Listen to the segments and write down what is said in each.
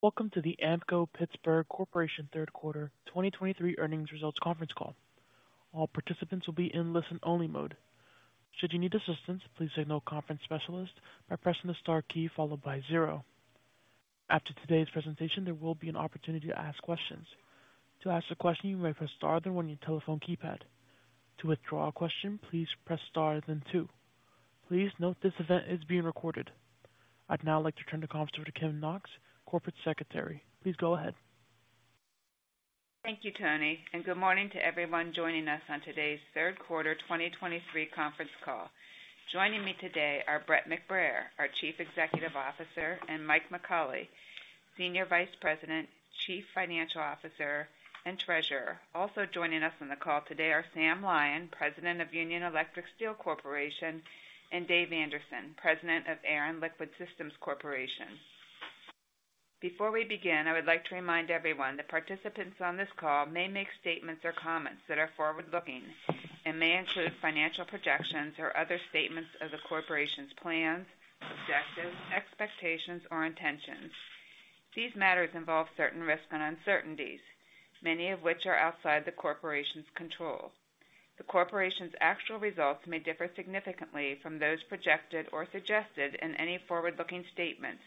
Welcome to the Ampco-Pittsburgh Corporation third quarter 2023 earnings results conference call. All participants will be in listen-only mode. Should you need assistance, please signal a conference specialist by pressing the star key, followed by zero. After today's presentation, there will be an opportunity to ask questions. To ask a question, you may press star, then one on your telephone keypad. To withdraw a question, please press star, then two. Please note this event is being recorded. I'd now like to turn the conference over to Kim Knox, Corporate Secretary. Please go ahead. Thank you, Tony, and good morning to everyone joining us on today's third quarter 2023 conference call. Joining me today are Brett McBrayer, our Chief Executive Officer, and Mike McAuley, Senior Vice President, Chief Financial Officer, and Treasurer. Also joining us on the call today are Sam Lyon, President of Union Electric Steel Corporation, and Dave Anderson, President of Air & Liquid Systems Corporation. Before we begin, I would like to remind everyone that participants on this call may make statements or comments that are forward-looking and may include financial projections or other statements of the Corporation's plans, objectives, expectations, or intentions. These matters involve certain risks and uncertainties, many of which are outside the Corporation's control. The Corporation's actual results may differ significantly from those projected or suggested in any forward-looking statements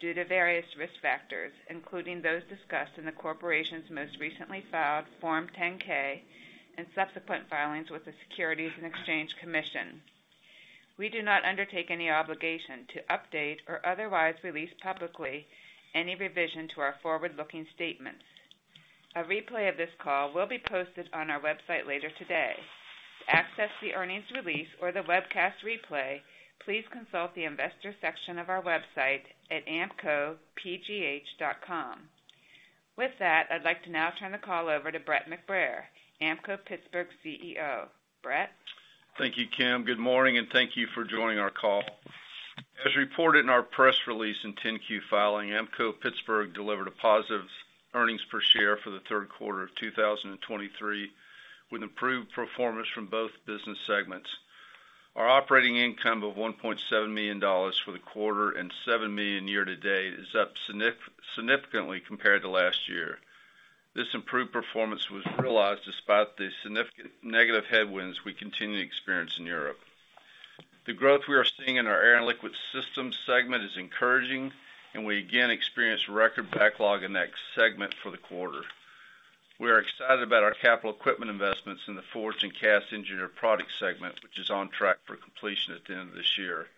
due to various risk factors, including those discussed in the Corporation's most recently filed Form 10-K and subsequent filings with the Securities and Exchange Commission. We do not undertake any obligation to update or otherwise release publicly any revision to our forward-looking statements. A replay of this call will be posted on our website later today. To access the earnings release or the webcast replay, please consult the investor section of our website at ampcopgh.com. With that, I'd like to now turn the call over to Brett McBrayer, Ampco-Pittsburgh's CEO. Brett? Thank you, Kim. Good morning, and thank you for joining our call. As reported in our press release and 10-Q filing, Ampco-Pittsburgh delivered a positive earnings per share for the third quarter of 2023, with improved performance from both business segments. Our operating income of $1.7 million for the quarter and $7 million year-to-date is up significantly compared to last year. This improved performance was realized despite the significant negative headwinds we continue to experience in Europe. The growth we are seeing in our Air & Liquid Systems segment is encouraging, and we again experienced record backlog in that segment for the quarter. We are excited about our capital equipment investments in the Forged and Cast Engineered Products segment, which is on track for completion at the end of this year.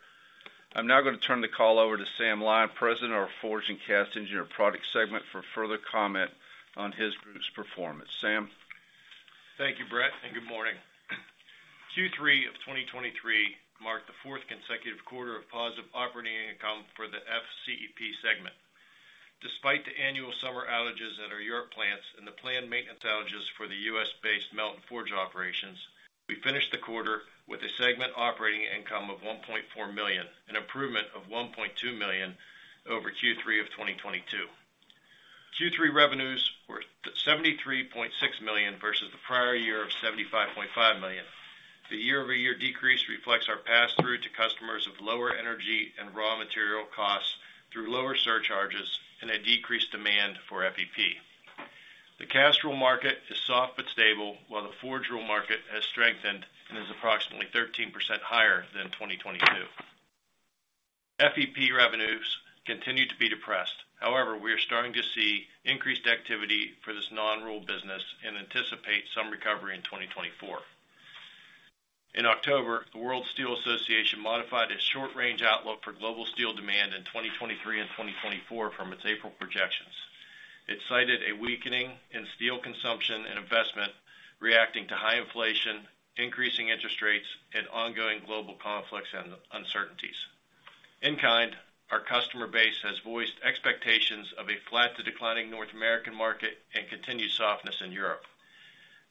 I'm now gonna turn the call over to Sam Lyon, President of our Forged and Cast Engineered Products segment, for further comment on his group's performance. Sam? Thank you, Brett, and good morning. Q3 of 2023 marked the fourth consecutive quarter of positive operating income for the FCEP segment. Despite the annual summer outages at our European plants and the planned maintenance outages for the U.S.-based melt and forge operations, we finished the quarter with a segment operating income of $1.4 million, an improvement of $1.2 million over Q3 of 2022. Q3 revenues were $73.6 million, versus the prior year of $75.5 million. The year-over-year decrease reflects our pass-through to customers of lower energy and raw material costs through lower surcharges and a decreased demand for FEP. The cast roll market is soft but stable, while the forged roll market has strengthened and is approximately 13% higher than in 2022. FEP revenues continue to be depressed. However, we are starting to see increased activity for this non-roll business and anticipate some recovery in 2024. In October, the World Steel Association modified its short-range outlook for global steel demand in 2023 and 2024 from its April projections. It cited a weakening in steel consumption and investment, reacting to high inflation, increasing interest rates, and ongoing global conflicts and uncertainties. In kind, our customer base has voiced expectations of a flat to declining North American market and continued softness in Europe.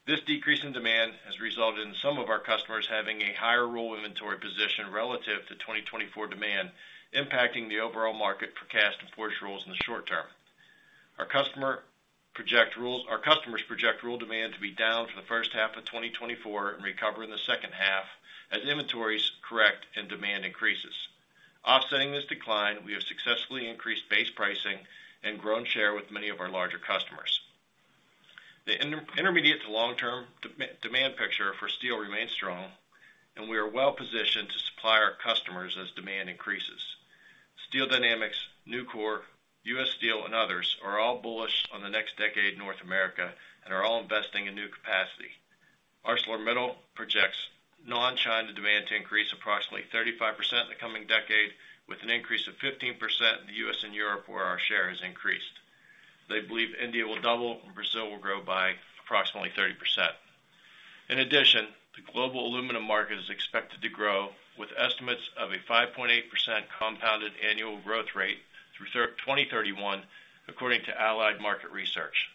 This decrease in demand has resulted in some of our customers having a higher roll inventory position relative to 2024 demand, impacting the overall market for cast and forged rolls in the short term. Our customers project roll demand to be down for the first half of 2024 and recover in the second half as inventories correct and demand increases. Offsetting this decline, we have successfully increased base pricing and grown share with many of our larger customers. The intermediate to long-term demand picture for steel remains strong, and we are well positioned to supply our customers as demand increases. Steel Dynamics, Nucor, U.S. Steel, and others are all bullish on the next decade in North America and are all investing in new capacity. ArcelorMittal projects non-China demand to increase approximately 35% in the coming decade, with an increase of 15% in the U.S. and Europe, where our share has increased. They believe India will double and Brazil will grow by approximately 30%. In addition, the global aluminum market is expected to grow, with estimates of a 5.8% compounded annual growth rate through 2031, according to Allied Market Research.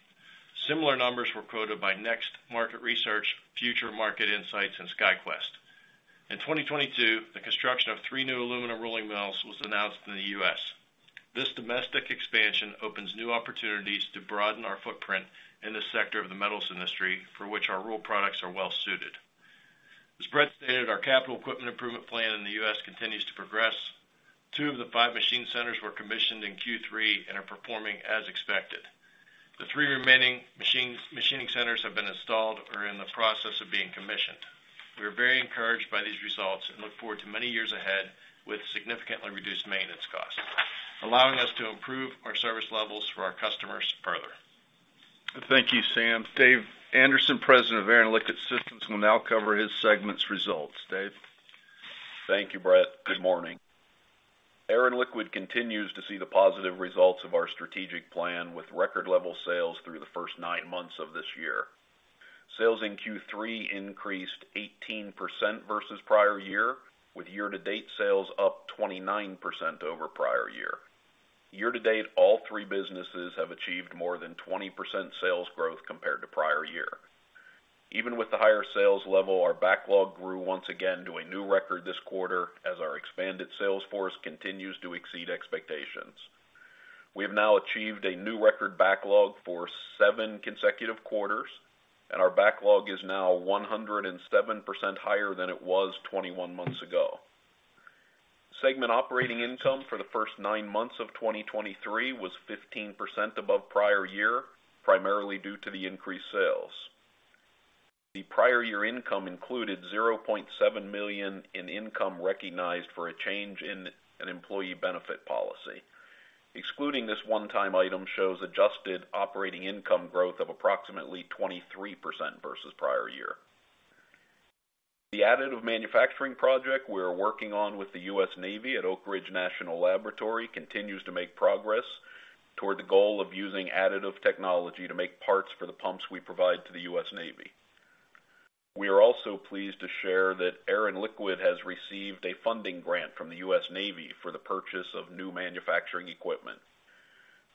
Similar numbers were quoted by Next Market Research, Future Market Insights, and SkyQuest. In 2022, the construction of three new aluminum rolling mills was announced in the U.S. This domestic expansion opens new opportunities to broaden our footprint in this sector of the metals industry, for which our mill roll products are well suited. As Brett stated, our capital equipment improvement plan in the U.S. continues to progress. Two of the five machine centers were commissioned in Q3 and are performing as expected. The three remaining machines, machining centers have been installed or are in the process of being commissioned. We are very encouraged by these results and look forward to many years ahead with significantly reduced maintenance costs, allowing us to improve our service levels for our customers further. Thank you, Sam. Dave Anderson, President of Air & Liquid Systems, will now cover his segment's results. Dave? Thank you, Brett. Good morning. Air & Liquid continues to see the positive results of our strategic plan, with record level sales through the first nine months of this year. Sales in Q3 increased 18% versus prior year, with year-to-date sales up 29% over prior year. Year-to-date, all three businesses have achieved more than 20% sales growth compared to prior year. Even with the higher sales level, our backlog grew once again to a new record this quarter, as our expanded sales force continues to exceed expectations. We have now achieved a new record backlog for seven consecutive quarters, and our backlog is now 107% higher than it was 21 months ago. Segment operating income for the first nine months of 2023 was 15% above prior year, primarily due to the increased sales. The prior year income included $0.7 million in income recognized for a change in an employee benefit policy. Excluding this one-time item, shows adjusted operating income growth of approximately 23% versus prior year. The additive manufacturing project we are working on with the U.S. Navy at Oak Ridge National Laboratory continues to make progress toward the goal of using additive technology to make parts for the pumps we provide to the U.S. Navy. We are also pleased to share that Air & Liquid has received a funding grant from the U.S. Navy for the purchase of new manufacturing equipment.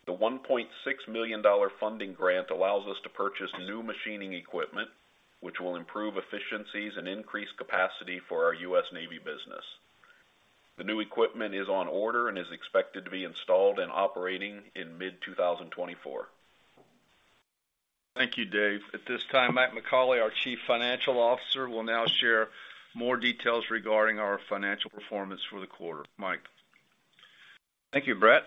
The $1.6 million funding grant allows us to purchase new machining equipment, which will improve efficiencies and increase capacity for our U.S. Navy business. The new equipment is on order and is expected to be installed and operating in mid-2024. Thank you, Dave. At this time, Mike McAuley, our Chief Financial Officer, will now share more details regarding our financial performance for the quarter. Mike? Thank you, Brett.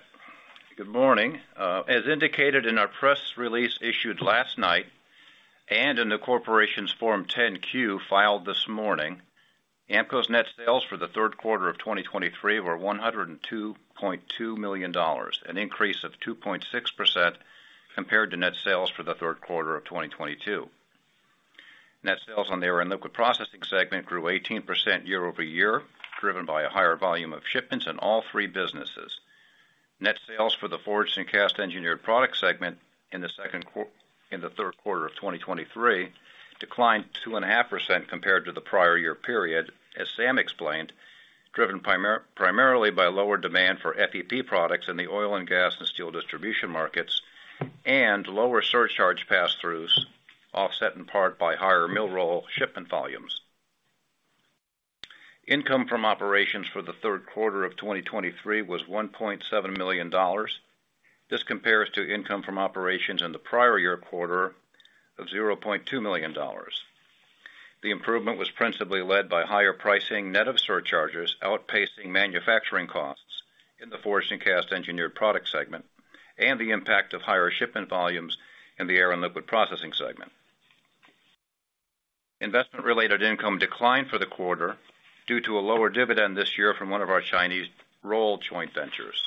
Good morning. As indicated in our press release issued last night, and in the Corporation's Form 10-Q filed this morning, Ampco's net sales for the third quarter of 2023 were $102.2 million, an increase of 2.6% compared to net sales for the third quarter of 2022. Net sales on the Air and Liquid Processing segment grew 18% year-over-year, driven by a higher volume of shipments in all three businesses. Net sales for the Forged and Cast Engineered Products segment in the third quarter of 2023 declined 2.5% compared to the prior year period, as Sam explained, driven primarily by lower demand for FEP products in the oil and gas and steel distribution markets, and lower surcharge passthroughs, offset in part by higher mill roll shipment volumes. Income from operations for the third quarter of 2023 was $1.7 million. This compares to income from operations in the prior year quarter of $0.2 million. The improvement was principally led by higher pricing net of surcharges, outpacing manufacturing costs in the Forged and Cast Engineered Products segment, and the impact of higher shipment volumes in the Air and Liquid Processing segment. Investment-related income declined for the quarter due to a lower dividend this year from one of our Chinese roll joint ventures.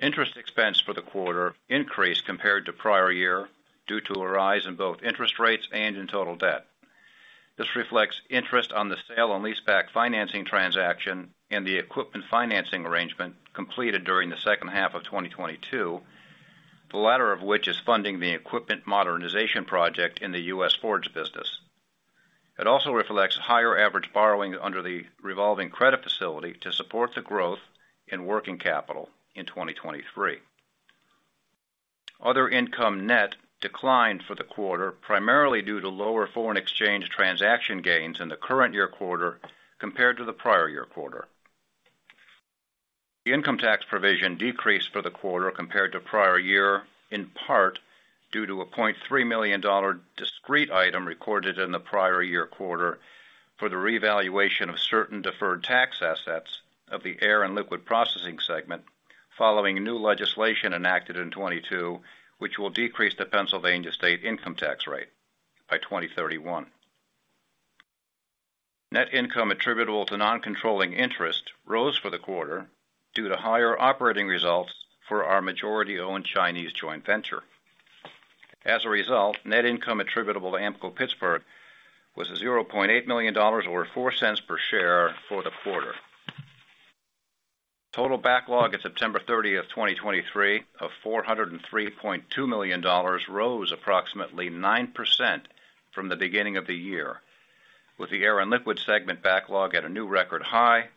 Interest expense for the quarter increased compared to prior year, due to a rise in both interest rates and in total debt. This reflects interest on the sale and leaseback financing transaction and the equipment financing arrangement completed during the second half of 2022, the latter of which is funding the equipment modernization project in the U.S. forged business. It also reflects higher average borrowing under the revolving credit facility to support the growth in working capital in 2023. Other income net declined for the quarter, primarily due to lower foreign exchange transaction gains in the current year quarter compared to the prior year quarter. The income tax provision decreased for the quarter compared to prior year, in part due to a $0.3 million discrete item recorded in the prior year quarter for the revaluation of certain deferred tax assets of the Air and Liquid Processing segment, following new legislation enacted in 2022, which will decrease the Pennsylvania state income tax rate by 2031. Net income attributable to non-controlling interest rose for the quarter due to higher operating results for our majority-owned Chinese joint venture. As a result, net income attributable to Ampco-Pittsburgh was $0.8 million, or $0.04 per share for the quarter. Total backlog at September 30th, 2023, of $403.2 million rose approximately 9% from the beginning of the year, with the Air & Liquid segment backlog at a new record high,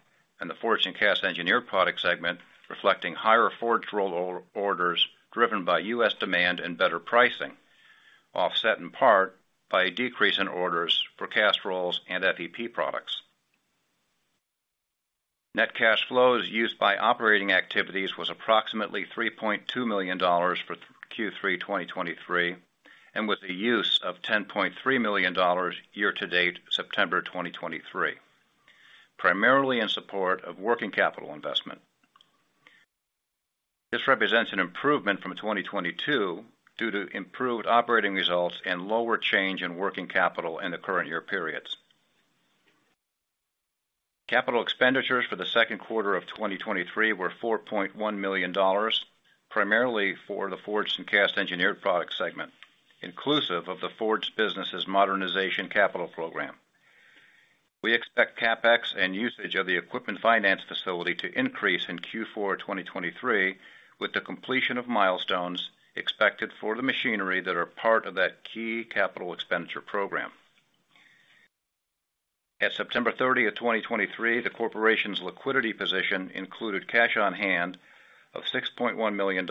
and the Forged and Cast Engineered Products segment reflecting higher forged roll orders driven by U.S. demand and better pricing, offset in part by a decrease in orders for cast rolls and FEP products. Net cash flows used by operating activities was approximately $3.2 million for Q3 2023, and with the use of $10.3 million year-to-date, September 2023, primarily in support of working capital investment. This represents an improvement from 2022 due to improved operating results and lower change in working capital in the current year periods. Capital expenditures for the second quarter of 2023 were $4.1 million, primarily for the Forged and Cast Engineered Products segment, inclusive of the forged business' modernization capital program. We expect CapEx and usage of the equipment finance facility to increase in Q4 2023, with the completion of milestones expected for the machinery that are part of that key capital expenditure program. On September 30, 2023, the Corporation's liquidity position included cash on hand of $6.1 million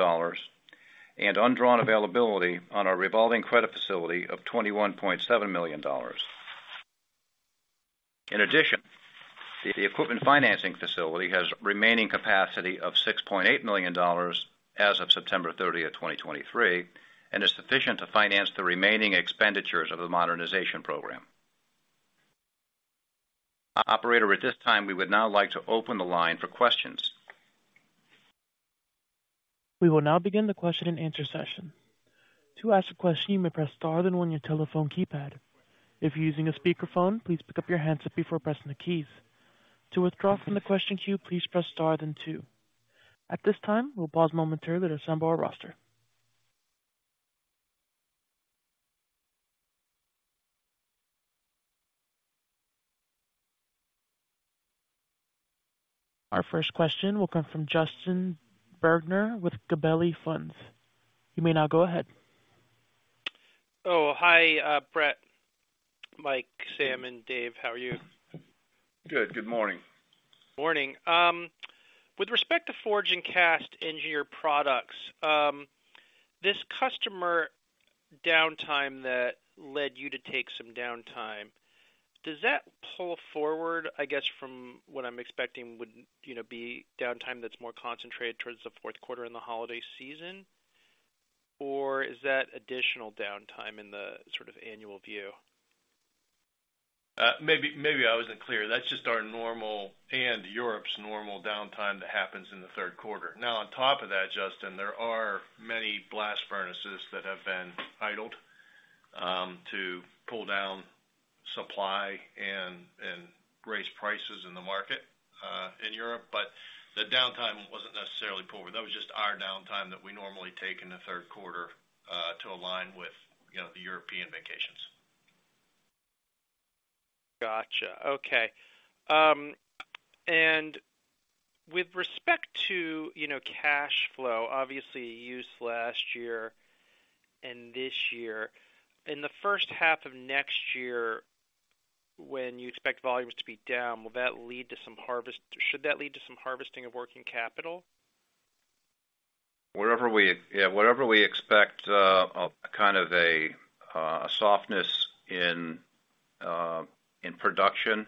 and undrawn availability on our revolving credit facility of $21.7 million. In addition, the equipment financing facility has remaining capacity of $6.8 million as of September 30, 2023, and is sufficient to finance the remaining expenditures of the modernization program. Operator, at this time, we would now like to open the line for questions. We will now begin the Q&A session. To ask a question, you may press star, then one on your telephone keypad. If you're using a speakerphone, please pick up your handset before pressing the keys. To withdraw from the question queue, please press star then two. At this time, we'll pause momentarily to assemble our roster. Our first question will come from Justin Bergner with Gabelli Funds. You may now go ahead. Oh, hi, Brett, Mike, Sam, and Dave. How are you? Good. Good morning. Good morning. With respect to Forged and Cast Engineered Products, this customer downtime that led you to take some downtime, does that pull forward from what I'm expecting would, you know, be downtime that's more concentrated towards the fourth quarter in the holiday season? Or is that additional downtime in the sort of annual view? Maybe, maybe I wasn't clear. That's just our normal and Europe's normal downtime that happens in the third quarter. Now, on top of that, Justin, there are many blast furnaces that have been idled to pull down supply and raise prices in the market in Europe, but the downtime wasn't necessarily pulled in. That was just our downtime that we normally take in the third quarter to align with, you know, the European vacations. Gotcha. Okay. With respect to, you know, cash flow, obviously used last year and this year, in the first half of next year, when you expect volumes to be down, will that lead to some harvest? Should that lead to some harvesting of working capital? Yes, whenever we expect a kind of softness in production,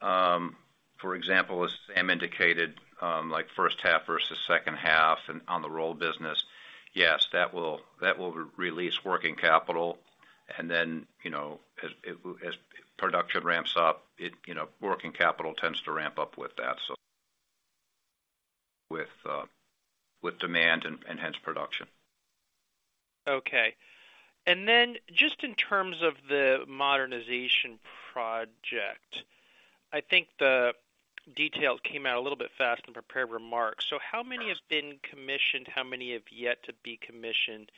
for example, as Sam indicated, like first half versus second half on the roll business, yes, that will release working capital. And then, you know, as production ramps up, it, you know, working capital tends to ramp up with that, so with demand and hence, production. Okay. And then just in terms of the modernization project, I think the details came out a little bit fast in prepared remarks. So how many have been commissioned? How many have yet to be commissioned?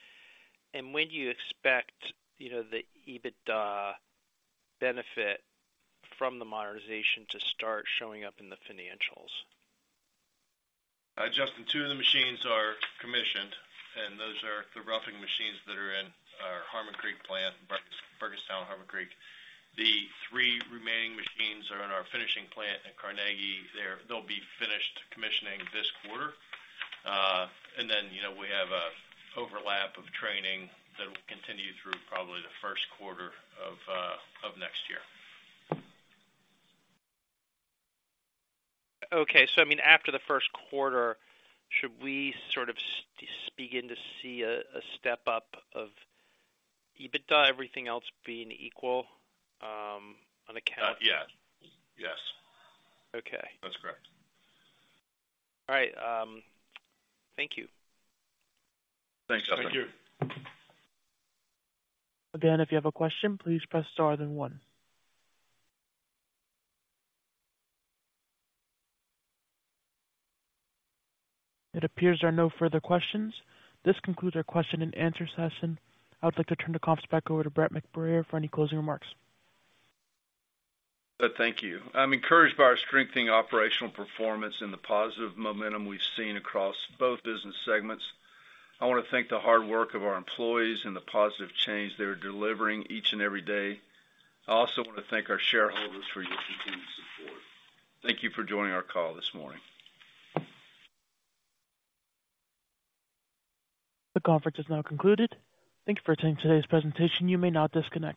And when do you expect, you know, the EBITDA benefit from the modernization to start showing up in the financials? Justin, two of the machines are commissioned, and those are the roughing machines that are in our Harmon Creek plant -- Burgettstown, Pennsylvania. The three remaining machines are in our finishing plant in Carnegie. They'll be finished commissioning this quarter. And then, you know, we have an overlap of training that will continue through probably the first quarter of next year. Okay, so I mean, after the first quarter, should we sort of begin to see a step up of EBITDA, everything else being equal on the count? Yeah. Yes. Okay. That's correct. All right, thank you. Thanks, Justin. Thank you. Again, if you have a question, please press star, then one. It appears there are no further questions. This concludes our Q&A. I would like to turn the conference back over to Brett McBrayer for any closing remarks. Thank you. I'm encouraged by our strengthening operational performance and the positive momentum we've seen across both business segments. I want to thank the hard work of our employees and the positive change they're delivering each and every day. I also want to thank our shareholders for your continued support. Thank you for joining our call this morning. The conference is now concluded. Thank you for attending today's presentation. You may now disconnect.